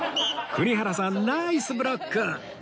栗原さんナイスブロック！